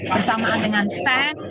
bersamaan dengan send